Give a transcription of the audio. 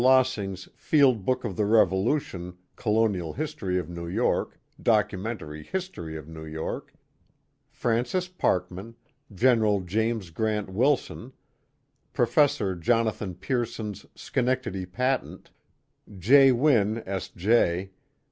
\^oss\x\gs Field Book of the Revolution J Colonial History of Neiv Yorky Dociimefttary History of New York^ Francis Parkman, Gen. James Grant Wilson, Prof. Jonathan Pearson's Schenectady Patent ; J. Wynne, S. J.